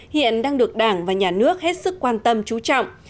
hiện đang được đảng và nhà nước hết sức quan tâm trú trọng